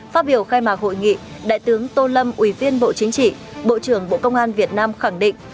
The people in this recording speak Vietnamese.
phát biểu khai mạc hội nghị đại tướng tô lâm ủy viên bộ chính trị bộ trưởng bộ công an việt nam khẳng định